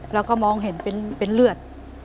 เราก็มองเห็นเป็นเลือด